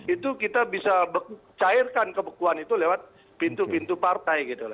itu kita bisa cairkan kebekuan itu lewat pintu pintu partai gitu loh